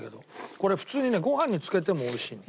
これ普通にねご飯につけてもおいしいの。